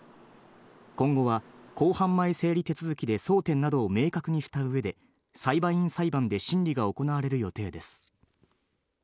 今後は公判前整理手続きで争点などを明確にしたうえで、裁判員裁判で審理が行われる予定です。